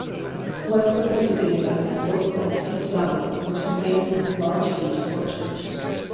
West of the city lies the so-called Peach Valley which contains large peach orchards.